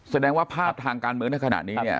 แสดงว่าภาพทางการเมืองในขณะนี้เนี่ย